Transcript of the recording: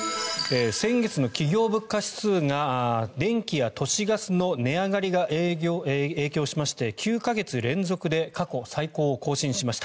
先月の企業物価指数が電気や都市ガスの値上がりが影響しまして９か月連続で過去最高を更新しました。